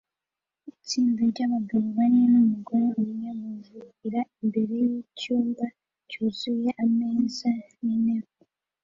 Itsinda ryabagabo bane numugore umwe bavugira imbere yicyumba cyuzuye ameza nintebe